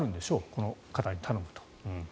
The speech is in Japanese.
この方に頼むと。